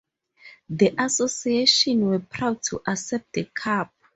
The Association were proud to accept the Cup.